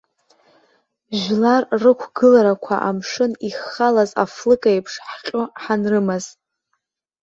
Жәлар рықәгыларақәа амшын иххалаз афлыка еиԥш ҳҟьо ҳанрымаз.